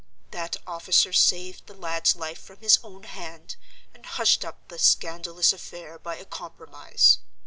That officer saved the lad's life from his own hand, and hushed up the scandalous affair by a compromise.